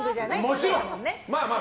もちろん。